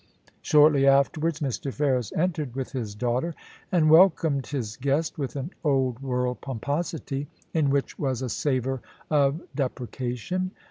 Shortly afterwards Mr. Ferris entered with his daughter, and welcomed his guest with an old world pomposity, in which was a savour of deprecation.